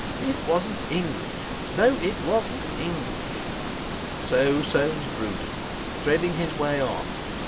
It wasn't English! No, it wasn't English! So Soames brooded, threading his way on.